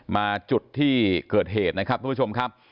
มาจุดที่เกิดเหตุนะครับทุกผู้ชมครับ